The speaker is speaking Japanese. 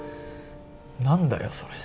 何だよそれ。